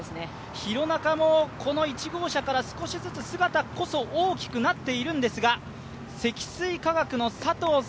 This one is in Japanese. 廣中もこの１号車から少しずつ姿こそ大きくなっているんですが、積水化学の佐藤早